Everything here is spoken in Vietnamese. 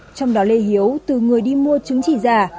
trong đó lê hiếu từ người đi mua chứng chỉ giả